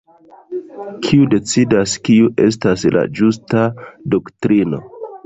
Kiu decidas kiu estas la "ĝusta" doktrino?